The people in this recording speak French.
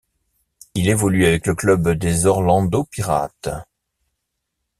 Il évolue avec le club des Orlando Pirates.